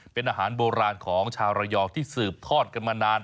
เป็นอาหารโบราณของชาวระยองที่สืบทอดกันมานาน